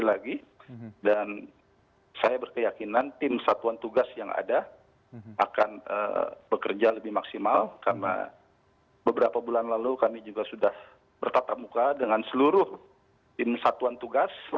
akan bekerja lebih maksimal karena beberapa bulan lalu kami juga sudah bertata muka dengan seluruh tim satuan tugas